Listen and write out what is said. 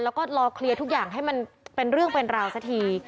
แล้วก็รอเคลียร์ทุกอย่างให้มันเป็นเรื่องเป็นราวสักที